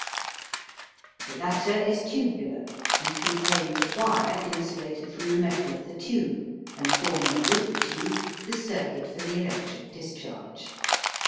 The latter is tubular, and contains a wire insulated from the metal of the tube, and forming with the tube the circuit for the electric discharge.